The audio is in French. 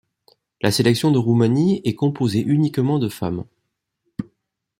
La sélection de Roumanie est composée uniquement de femmes.